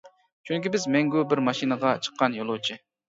چۈنكى بىز مەڭگۈ بىر ماشىنىغا چىققان يولۇچى.